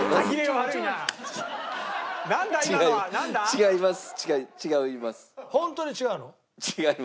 違います。